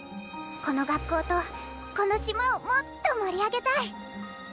「この学校とこの島をもっと盛り上げたい！